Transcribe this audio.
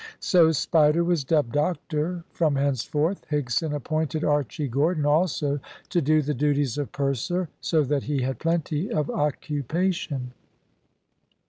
So Spider was dubbed "Doctor" from henceforth. Higson appointed Archy Gordon also to do the duties of "Purser," so that he had plenty of occupation.